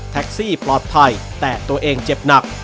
แท็กซี่ปลอดภัยแต่ตัวเองเจ็บหนัก